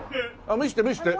見せて見せて。